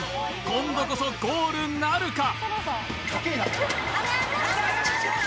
今度こそゴールなるか？